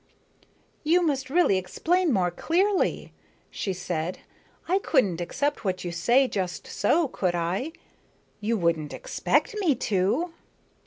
"You must really explain more clearly," she said. "I couldn't accept what you say just so, could I? You wouldn't expect me to."